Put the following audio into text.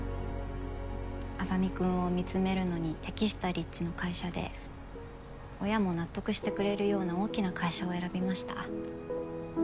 莇君を見つめるのに適した立地の会社で親も納得してくれるような大きな会社を選びました。